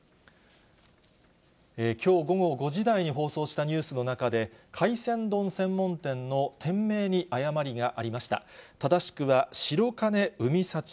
きょう午後５時台に放送したニュースの中で、海鮮丼専門店の店名に誤りがありました。